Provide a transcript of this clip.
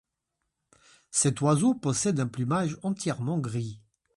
Cet oiseau possède un plumage entièrement gris.